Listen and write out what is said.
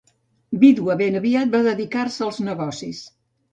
Vídua ben aviat, va dedicar-se als negocis.